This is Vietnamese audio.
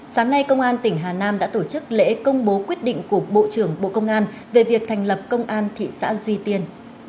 sáng nay công an tỉnh hà nam đã tổ chức lễ công bố quyết định của bộ trưởng bộ công an về việc thành lập công an thị xã duy tiên